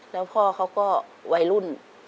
แล้วพ่อเขาก็วัยรุ่น